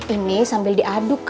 ini sambil diaduk kak